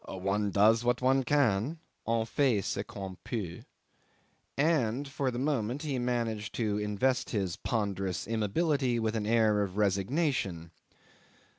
One does what one can (on fait ce qu'on peut)," and for a moment he managed to invest his ponderous immobility with an air of resignation.